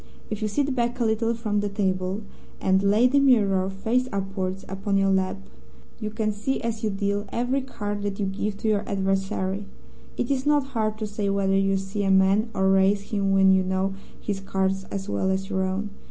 If you sit back a little from the table, and lay the mirror, face upwards, upon your lap, you can see, as you deal, every card that you give to your adversary. It is not hard to say whether you see a man or raise him when you know his cards as well as your own.